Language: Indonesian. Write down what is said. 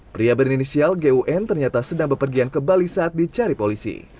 pria berinisial gun ternyata sedang berpergian ke bali saat dicari polisi